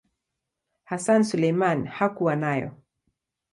Hassan Suleiman hakuwa nayo.